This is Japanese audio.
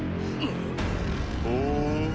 ほう。